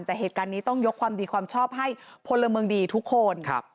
แต่เหตุการณ์นี้ต้องยกความดีความชอบให้พลเมืองดีทุกคน